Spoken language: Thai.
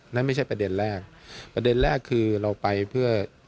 นั่นไม่ใช่ประเด็นแรกประเด็นแรกคือเราไปเพื่อ